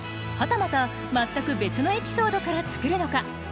はたまた全く別のエピソードから作るのか。